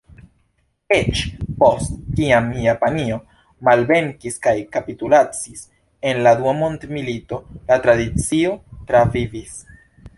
Eĉ post kiam Japanio malvenkis kaj kapitulacis en la Dua Mondmilito, la tradicio travivis.